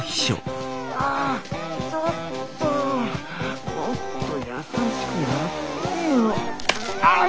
あっちょっともっと優しくやってよ。